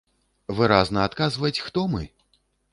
Выразна адказваць, хто мы?